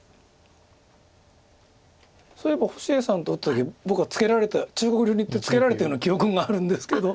そういえば星合さんと打った時僕は中国流にいってツケられたような記憶があるんですけど。